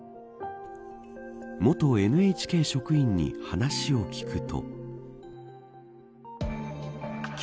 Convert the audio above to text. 元ＮＨＫ職員に話を聞くと。